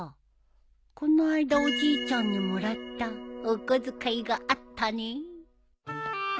この間おじいちゃんにもらったお小遣いがあったねえ。